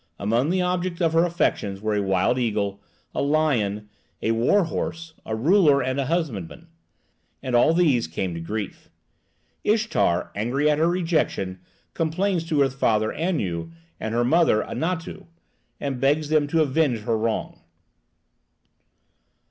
Among the objects of her affection were a wild eagle, a lion, a war horse, a ruler, and a husbandman; and all these came to grief. Ishtar, angry at her rejection, complains to her father, Anu, and her mother, Anatu, and begs them to avenge her wrong.